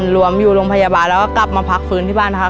รวมอยู่โรงพยาบาลแล้วก็กลับมาพักฟื้นที่บ้านนะครับ